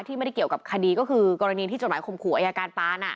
ไม่ได้เกี่ยวกับคดีก็คือกรณีที่จดหมายคมขู่อายการปาน